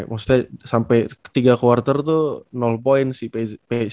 maksudnya sampai ketiga quarter tuh point si peyton